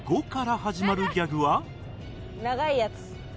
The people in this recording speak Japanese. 長いやつ。